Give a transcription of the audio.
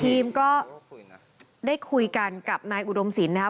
พี่พีมก็ได้คุยกันกับนายอุโดมศีลนะคะ